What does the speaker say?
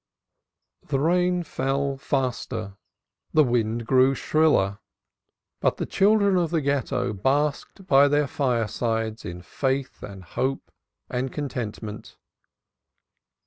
The rain fell faster, the wind grew shriller, but the Children of the Ghetto basked by their firesides in faith and hope and contentment.